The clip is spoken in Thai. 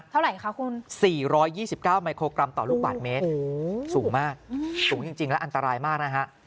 เท่าไหร่คะคุณ๔๒๙มิโครกรัมต่อลูกบาทเมตรสูงมากสูงจริงและอันตรายมากนะฮะ